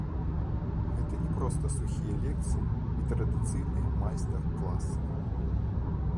Гэта не проста сухія лекцыі і традыцыйныя майстар-класы.